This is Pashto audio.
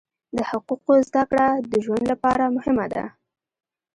د حقوقو زده کړه د ژوند لپاره مهمه ده.